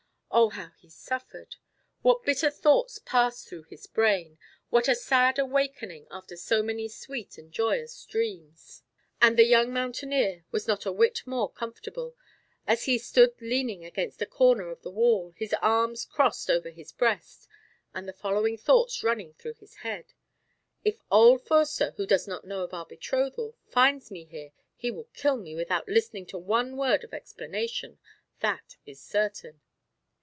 Oh, how he suffered! What bitter thoughts passed through his brain; what a sad awakening after so many sweet and joyous dreams. And the young mountaineer was not a whit more comfortable, as he stood leaning against a corner of the wall, his arms crossed over his breast, and the following thoughts running through his head: "If old Foerster, who does not know of our betrothal, finds me here, he will kill me without listening to one word of explanation. That is certain."